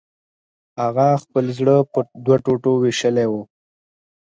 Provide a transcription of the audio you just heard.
هغه خپل زړه په دوو ټوټو ویشلی و